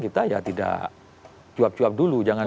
kita ya tidak cuap cuap dulu jangan